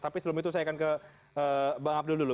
tapi sebelum itu saya akan ke bang abdul dulu